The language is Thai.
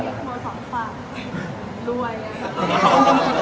อเรนนี่ว่าที่เต็มประกาศเหมือนกันนะครับ